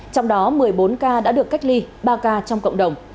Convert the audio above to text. trong đó một mươi bốn ca đã được cách ly ba ca trong cộng đồng